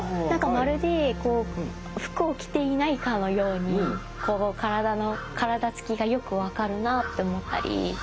まるで服を着ていないかのように体つきがよく分かるなって思ったり。